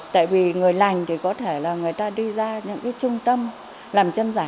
tại vì người lành thì có thể là người ta đi ra những cái trung tâm làm chân giả